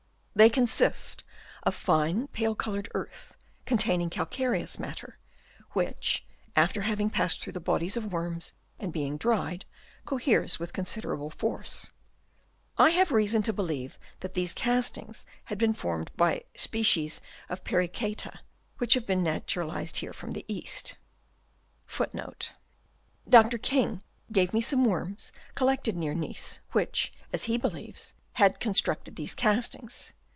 They consist of fine, pale coloured earth, containing calcareous matter, which after having passed through the bodies of worms and being dried, coheres with considerable force. I have reason to believe that these castings had been formed by species of Perichseta, which have been naturalised here from the East.* They * Dr. King gave nie some worms collected near Nice, which, as he believes, had constructed these castings.